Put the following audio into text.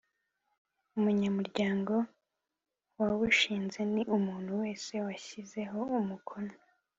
umunyamuryango wawushinze ni umuntu wese washyizeho umukono